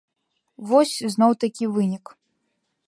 Вось, зноў такі вынік.